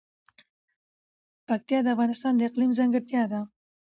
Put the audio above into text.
پکتیا د افغانستان د اقلیم ځانګړتیا ده.